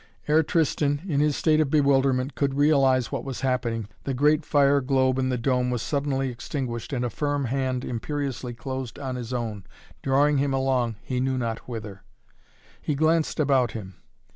Ere Tristan, in his state of bewilderment, could realize what was happening, the great fire globe in the dome was suddenly extinguished and a firm hand imperiously closed on his own, drawing him along, he knew not whither. He glanced about him.